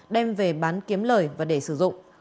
đem về bán kiếm lời và để sử dụng